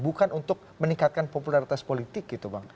bukan untuk meningkatkan popularitas politik gitu bang